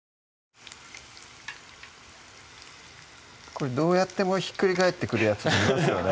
これどうやってもひっくり返ってくるやついますね